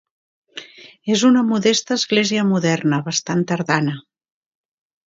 És una modesta església moderna, bastant tardana.